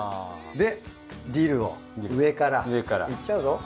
でディルを上からいっちゃうぞ。